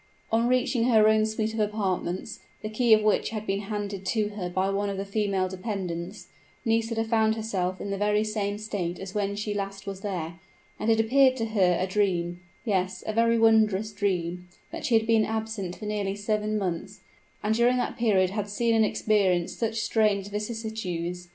On reaching her own suit of apartments, the key of which had been handed to her by one of the female dependents, Nisida found everything in the same state as when she last was there; and it appeared to her a dream, yes, a very wondrous dream, that she had been absent for nearly seven months, and during that period had seen and experienced such strange vicissitudes.